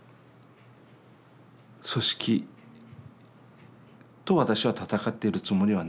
組織と私は闘ってるつもりはない。